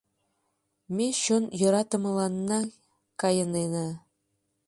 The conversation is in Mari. Ме чон йӧратымыланна кайынена...